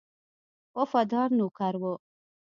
وفادار نوکر وو.